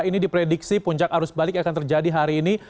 ini diprediksi puncak arus balik akan terjadi hari ini